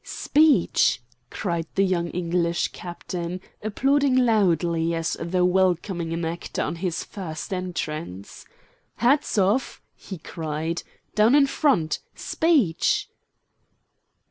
"Speech!" cried the young English Captain, applauding loudly, as though welcoming an actor on his first entrance. "Hats off!" he cried. "Down in front! Speech!"